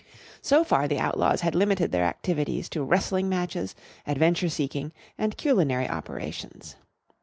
So far the Outlaws had limited their activities to wrestling matches, adventure seeking, and culinary operations.